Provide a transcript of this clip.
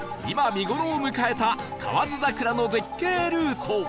今見頃を迎えた河津桜の絶景ルート